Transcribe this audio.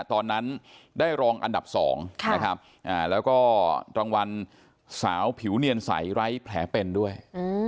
ตอนนั้นได้รองอันดับ๒นะครับแล้วก็รางวัลสาวผิวเนียนใสไร้แผลเป็นด้วย